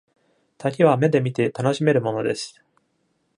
滝は目で見て楽しめるものです。